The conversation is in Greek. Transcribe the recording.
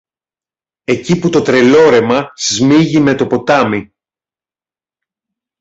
εκεί που το Τρελόρεμα σμίγει με το ποτάμι.